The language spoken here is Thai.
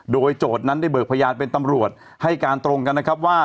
โดยโจทย์นั้นได้เบิกพยานเป็นตำรวจให้การตรงกันนะครับว่า